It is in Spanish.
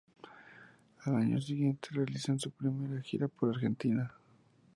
Al año siguiente realizan su primera gira por Argentina.